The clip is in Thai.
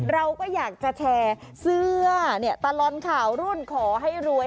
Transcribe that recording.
เราก็อยากจะแชร์เสื้อตลอดข่าวรุ่นขอให้รวย